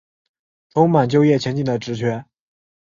充满就业前景的职缺